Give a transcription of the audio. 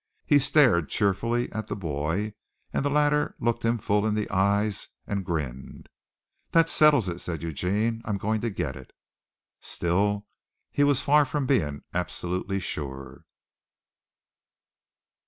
He stared cheerfully at the boy and the latter looked him full in the eyes and grinned. "That settles it!" said Eugene. "I'm going to get it." Still he was far from being absolutely sure.